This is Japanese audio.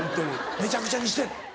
「めちゃくちゃにして」って。